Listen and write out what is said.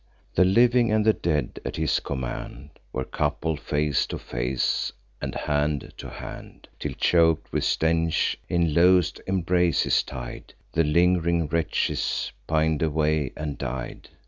The living and the dead at his command Were coupled, face to face, and hand to hand, Till, chok'd with stench, in loath'd embraces tied, The ling'ring wretches pin'd away and died.